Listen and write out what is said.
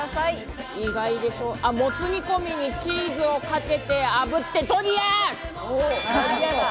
もつ煮込みにチーズをかけて炙ってドリア。